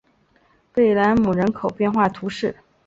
贝莱姆人口变化图示